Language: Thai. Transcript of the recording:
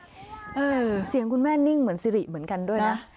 เสียงคุณแม่นิ่งเหมือนสิริเหมือนกันด้วยนะ